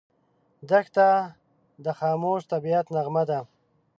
دښته د خاموش طبعیت نغمه ده.